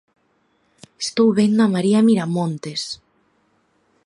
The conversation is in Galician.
Estou vendo a María Miramontes.